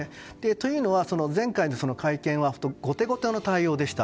というのは、前回の会見は後手後手の対応でした。